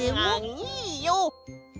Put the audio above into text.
いいよ。